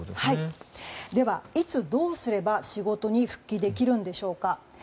では、いつどうすれば仕事に復帰できるんでしょうか。